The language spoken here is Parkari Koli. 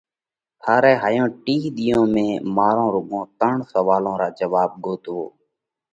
ٿارئہ هائِيون ٽِيه ۮِيئون ۾ مارون رُوڳون ترڻ سوئالون را جواب ڳوٿوووه۔